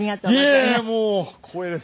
いやいやもう光栄です。